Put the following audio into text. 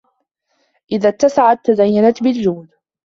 إذَا اتَّسَعْتُ تَزَيَّنَتْ بِالْجُودِ